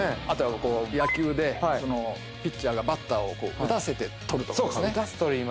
あとは野球でピッチャーがバッターを打たせて取るとかですね